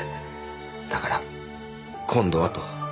だから今度はと。